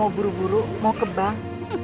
mau buru buru mau ke bank